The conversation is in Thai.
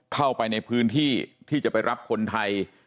เข้าไปในพื้นที่ที่จะไปรับคนไทย